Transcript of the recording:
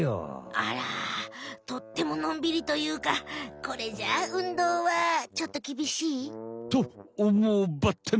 あらとってものんびりというかこれじゃ運動はちょっときびしい？とおもうばってん！